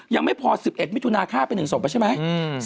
ยังไม่พอ๑๑มิถุนาฯฆ่าเป็นหนึ่งศพป่ะใช่ไหม